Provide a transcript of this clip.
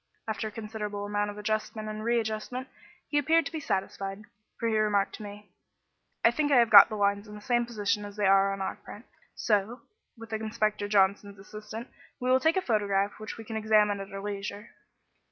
After a considerable amount of adjustment and readjustment, he appeared to be satisfied, for he remarked to me "I think I have got the lines in the same position as they are on our print, so, with Inspector Johnson's assistance, we will take a photograph which we can examine at our leisure."